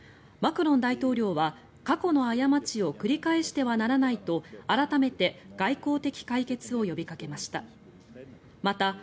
マクロン大統領は、過去の過ちを繰り返してはならないと改めて外交的解決を呼びかけました。